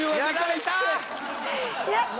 やった！